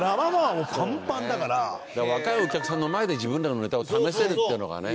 だから若いお客さんの前で自分らのネタを試せるっていうのがね。